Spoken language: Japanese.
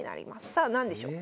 さあ何でしょう？